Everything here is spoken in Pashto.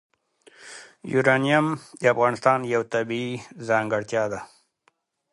یورانیم د افغانستان یوه طبیعي ځانګړتیا ده.